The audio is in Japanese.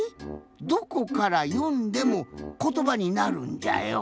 どこからよんでもことばになるんじゃよ。